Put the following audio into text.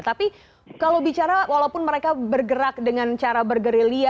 tapi kalau bicara walaupun mereka bergerak dengan cara bergerilya